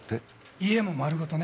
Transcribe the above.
家も丸ごとね。